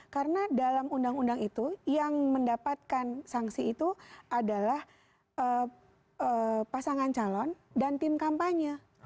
karena dalam undang undang itu yang mendapatkan sanksi itu adalah pasangan calon dan tim kampanye